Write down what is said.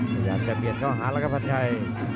ขยับจะเปลี่ยนข้อหารแล้วครับพัชชัย